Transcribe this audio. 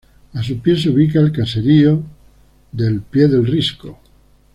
A su pie se ubica el caserío de Pie del Risco.